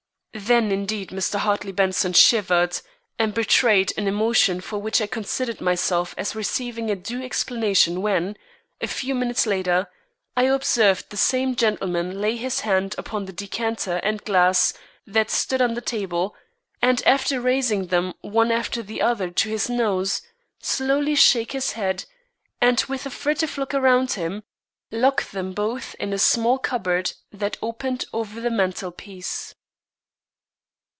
Then indeed Mr. Hartley Benson shivered, and betrayed an emotion for which I considered myself as receiving a due explanation when, a few minutes later, I observed the same gentleman lay his hand upon the decanter and glass that stood on the table, and after raising them one after the other to his nose, slowly shake his head, and with a furtive look around him, lock them both in a small cupboard that opened over the mantel piece.